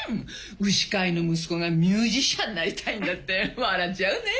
牛飼いの息子がミュージシャンになりたいんだって笑っちゃうねえ。